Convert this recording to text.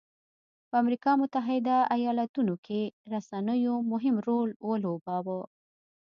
په امریکا متحده ایالتونو کې رسنیو مهم رول ولوباوه.